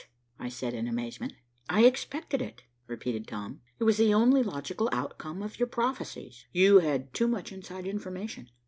I said in amazement. "I expected it," repeated Tom. "It was the only logical outcome of your prophecies. You had too much inside information.